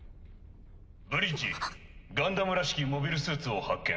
ブリッジガンダムらしきモビルスーツを発見。